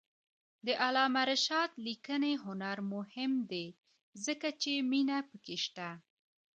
د علامه رشاد لیکنی هنر مهم دی ځکه چې مینه پکې شته.